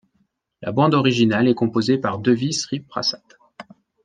La bande originale est composée par Devi Sri Prasad.